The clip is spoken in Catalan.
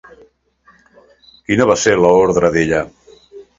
Quina va ser l'ordre d'ella?